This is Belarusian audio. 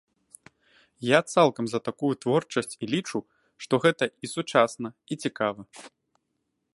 Я цалкам за такую творчасць і лічу, што гэта і сучасна, і цікава.